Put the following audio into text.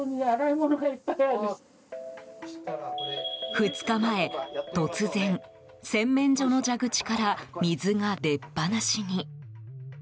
２日前、突然洗面所の蛇口から水が出っぱなしに。